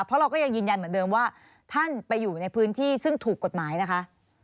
เพราะเราก็ยังยืนยันเหมือนเดิมว่าท่านไปอยู่ในพื้นที่ซึ่งถูกกฎหมายนะคะ